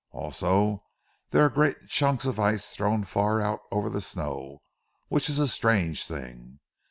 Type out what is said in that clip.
Also dere are great chunks of ice thrown far out over ze snow, which is a strange thing....